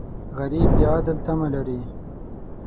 غریب د عدل تمه لري